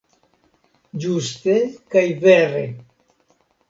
Ĝuste kaj vere.